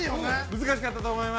◆難しかったと思います。